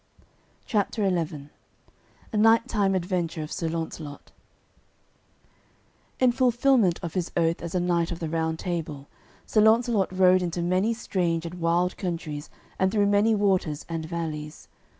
CHAPTER XI A NIGHT TIME ADVENTURE OF SIR LAUNCELOT In fulfilment of his oath as a knight of the Round Table Sir Launcelot rode into many strange and wild countries and through many waters and valleys.